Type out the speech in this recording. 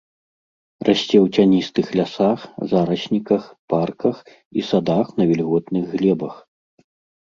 Расце ў цяністых лясах, зарасніках, парках і садах на вільготных глебах.